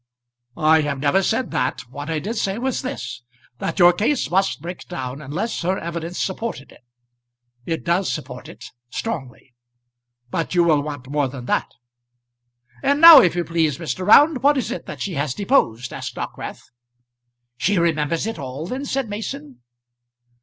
"I have never said that; what I did say was this that your case must break down unless her evidence supported it. It does support it strongly; but you will want more than that." "And now if you please, Mr. Round, what is it that she has deposed?" asked Dockwrath. "She remembers it all then?" said Mason.